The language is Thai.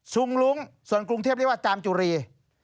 สุงรุ้งส่วนกรุงเทียบเรียกว่าจาเจุหรี่